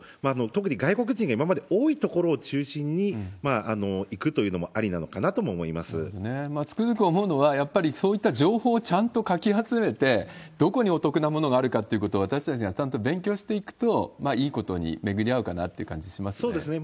特に外国人が今まで多い所を中心に行くというのもありなのかなとつくづく思うのは、やっぱりそういった情報をちゃんとかき集めて、どこにお得なものがあるかというのを私たちがちゃんと勉強していくと、いいことに巡り会うかなっていう感じはしますね。